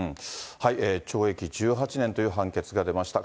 懲役１８年という判決が出ました。